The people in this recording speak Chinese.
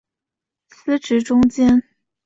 司职中坚。